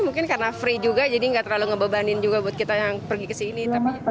mungkin karena free juga jadi nggak terlalu ngebebanin juga buat kita yang pergi ke sini